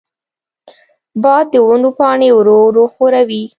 باد د ونو پاڼې ورو ورو ښوروي.